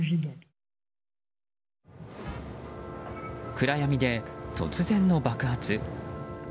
暗闇で突然の爆発。